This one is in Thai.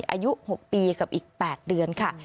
อายุ๖ปีกับอีก๘เดือนค่ะ